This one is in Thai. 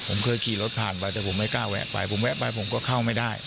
ผมเคยขี่รถผ่านไปแต่ผมไม่กล้าแวะไปผมแวะไปผมก็เข้าไม่ได้